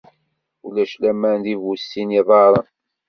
Ulac laman di bu sin n yiḍarren.